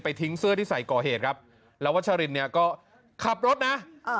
ทิ้งเสื้อที่ใส่ก่อเหตุครับแล้ววัชรินเนี่ยก็ขับรถนะอ่า